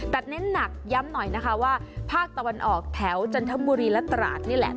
แต่เน้นหนักย้ำหน่อยนะคะว่าภาคตะวันออกแถวจันทบุรีและตราดนี่แหละ